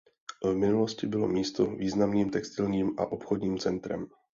V minulosti bylo místo významným textilním a obchodním centrem.